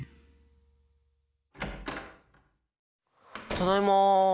・ただいま。